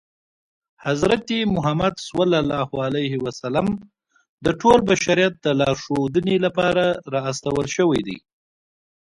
حضرت محمد ص د ټول بشریت د لارښودنې لپاره را استول شوی دی.